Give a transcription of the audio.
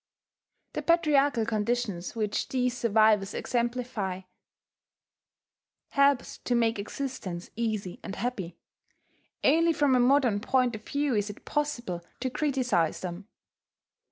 The patriarchal conditions which these survivals exemplify helped to make existence easy and happy. Only from a modern point of view is it possible to criticise them.